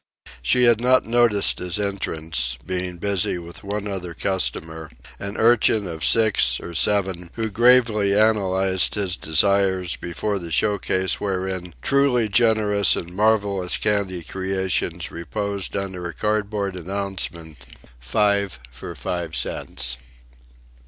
She had not noticed his entrance, being busy with one other customer, an urchin of six or seven who gravely analyzed his desires before the show case wherein truly generous and marvellous candy creations reposed under a cardboard announcement, "Five for Five Cents."